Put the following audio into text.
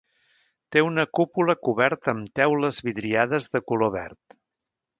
Té una cúpula coberta amb teules vidriades de color verd.